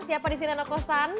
siapa disini anak kosan